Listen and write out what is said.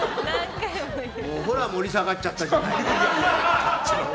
ほら盛り下がっちゃったじゃない。